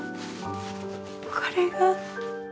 これが恋？